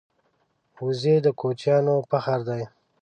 وزې د کوچیانو فخر دی